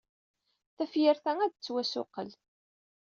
Tafyirt-a ad d-tettwassuqqel.